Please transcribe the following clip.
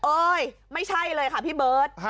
ไม่ใช่เลยค่ะพี่เบิร์ต